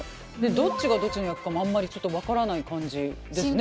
どっちがどっちの役かもあんまりちょっと分からない感じですね